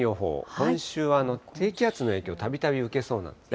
今週は低気圧の影響、たびたび受けそうなんですね。